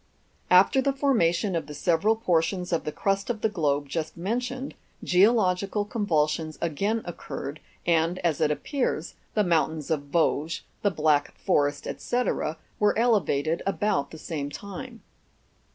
After the formation of the several portions of the crust of the globe just mentioned, geological convulsions again occurred, and, as it appears, the mountains of Vosges, the Black Forest, &c., were elevated about the same time.